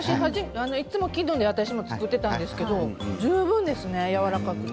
いつも絹で作っていたんですけど十分ですね、やわらかくて。